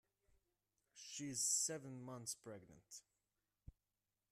She is seven months pregnant.